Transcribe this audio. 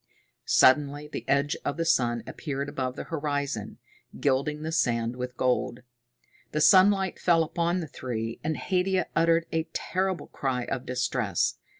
Suddenly the edge of the sun appeared above the horizon, gilding the sand with gold. The sunlight fell upon the three, and Haidia uttered a terrible cry of distress.